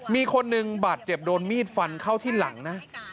มีคนหนึ่งบาดเจ็บโดนมีดฟันเข้าที่หลังนะ